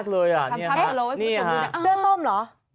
เสื้อโทรมหรอ